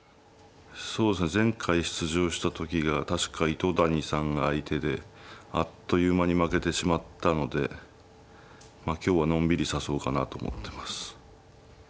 そうですね前回出場した時が確か糸谷さんが相手であっという間に負けてしまったのでまあ今日はのんびり指そうかなと思ってます。